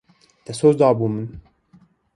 Te soz dabû min.